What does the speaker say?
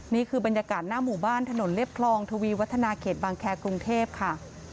นี่คือบรรยากาศหน้าหมู่บ้านถนนเรียบคลองทวีวัฒนาเขตบางแครกรุงเทพค่ะ